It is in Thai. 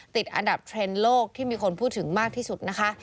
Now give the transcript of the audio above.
ติดอันดับเทรนด์โลกที่มีคนพูดถึงมากที่สุดนะคะ